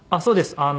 そうです。